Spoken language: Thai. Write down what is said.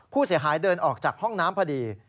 ผู้เสียหายเดินออกจากห้องน้ำพอดี